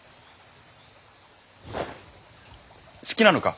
好きなのか？